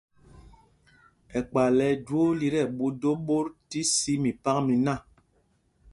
Ɛkpay lɛ ɛjwoo li tí ɛɓu do ɓot tí sī ndol mipak miná.